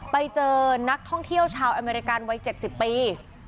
ไปเจอนักท่องเที่ยวชาวอเมริกันวัย๗๐ปี